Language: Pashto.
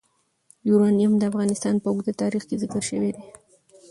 یورانیم د افغانستان په اوږده تاریخ کې ذکر شوی دی.